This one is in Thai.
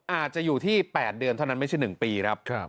อาจจะอยู่ที่๘เดือนเท่านั้นไม่ใช่๑ปีครับ